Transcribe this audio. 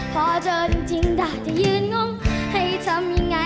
พอเจอจริงดาจะยืนงง